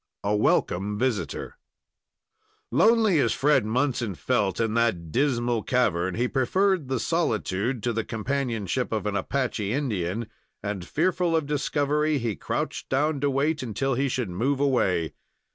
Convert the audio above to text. A WELCOME VISITOR Lonely as Fred Munson felt in that dismal cavern, he preferred the solitude to the companionship of an Apache Indian, and, fearful of discovery, he crouched down to wait until he should move away.